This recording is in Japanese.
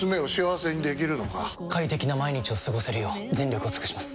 快適な毎日を過ごせるよう全力を尽くします！